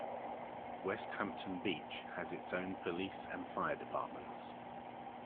Westhampton Beach has its own police and fire departments.